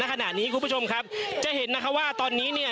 ขณะนี้คุณผู้ชมครับจะเห็นนะคะว่าตอนนี้เนี่ย